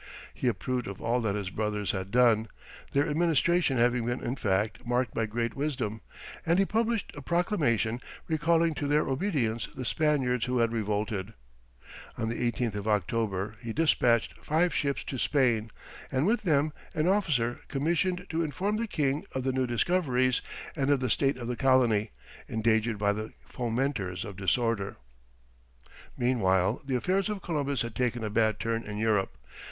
He approved of all that his brothers had done, their administration having been in fact, marked by great wisdom, and he published a proclamation recalling to their obedience the Spaniards who had revolted. On the 18th of October he despatched five ships to Spain, and with them an officer commissioned to inform the king of the new discoveries, and of the state of the colony, endangered by the fomenters of disorder. Meanwhile, the affairs of Columbus had taken a bad turn in Europe.